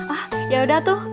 ah yaudah tuh